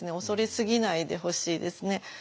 恐れすぎないでほしいですね。